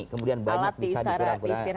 kemudian banyak bisa dikurangkan